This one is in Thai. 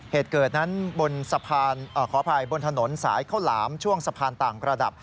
เหตุเกิดนั้นบนสะพานขออภัยบนถนนสายข้าวหลามช่วงสะพานต่างระดับ